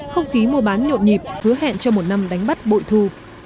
không khí mô bán nhộn nhịp hứa hẹn cho một năm đánh bắt bội thù